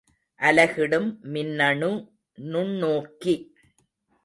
அலகிடும் மின்னணு நுண்ணோக்கி.